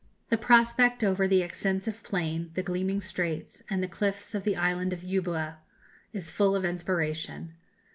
The prospect over the extensive plain, the gleaming straits, and the cliffs of the island of Euboea, is full of inspiration.